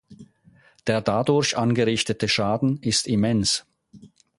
Der dadurch angerichtete Schaden ist immens.